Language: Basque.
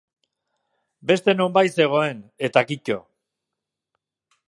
Beste nonbait zegoen, eta kito.